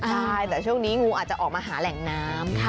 ใช่แต่ช่วงนี้งูอาจจะออกมาหาแหล่งน้ำ